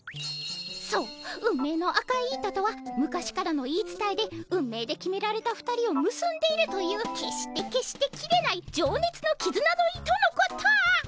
そう運命の赤い糸とは昔からの言い伝えで運命で決められた２人をむすんでいるという決して決して切れないじょうねつのきずなの糸のこと！